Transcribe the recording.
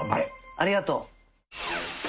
ありがとう！